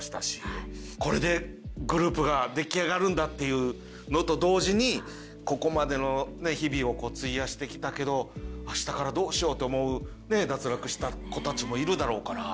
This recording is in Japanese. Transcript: これでグループが出来上がるんだっていうのと同時に「ここまでの日々を費やしてきたけど明日からどうしよう？」って思う脱落した子たちもいるだろうから。